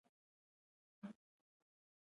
افغانستان کې لعل د هنر په اثار کې منعکس کېږي.